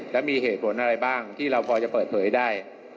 แล้วมีเหตุผลอะไรบ้างที่เราพอจะเปิดเผยได้